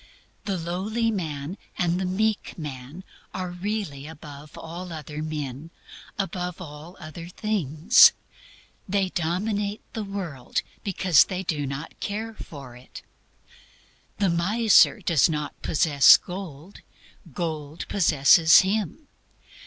The lowly man and the meek man are really above all other men, above all other things. They dominate the world because they do not care for it. The miser does not possess gold, gold possesses him.